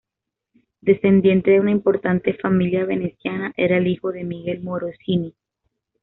Descendiente de una importante familia veneciana, era el hijo de Miguel Morosini.